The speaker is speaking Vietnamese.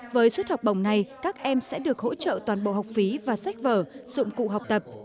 với suất học bổng này các em sẽ được hỗ trợ toàn bộ học phí và sách vở dụng cụ học tập